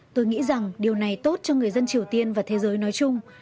tôi nghĩ rằng điều này tốt cho người dân triều tiên và thế giới nói chung